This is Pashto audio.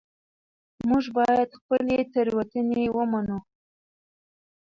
موږ باید خپلې تېروتنې ومنو